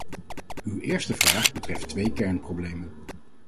Uw eerste vraag betreft twee kernproblemen.